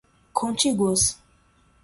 contíguas